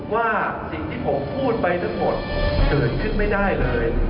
ว่าสิ่งที่ผมพูดไปทั้งหมดเกิดขึ้นไม่ได้เลย